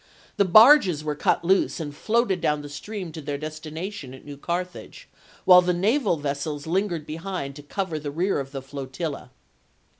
The barges were cut loose, and floated down the stream to their destination at New Carthage, while the naval vessels lingered behind to cover the rear of the flotilla.